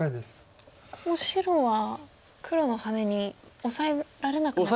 もう白は黒のハネにオサえられなく。